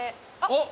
あっ。